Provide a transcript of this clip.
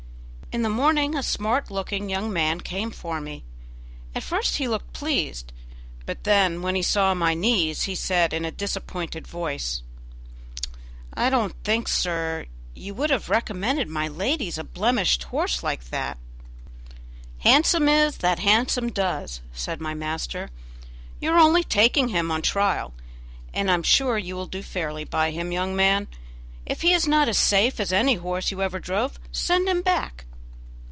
In the morning a smart looking young man came for me. At first he looked pleased; but when he saw my knees he said in a disappointed voice: "I didn't think, sir, you would have recommended my ladies a blemished horse like that." "'Handsome is that handsome does'," said my master; "you are only taking him on trial, and I am sure you will do fairly by him, young man. If he is not as safe as any horse you ever drove send him back."